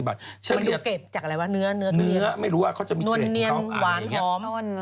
มันดูเกรดจากอะไรวะเนื้อไม่รู้ว่าเขาจะมีเทรดเขาอะไรอย่างนี้